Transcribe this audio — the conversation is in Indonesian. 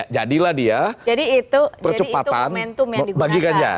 jadilah dia percepatan bagi ganjar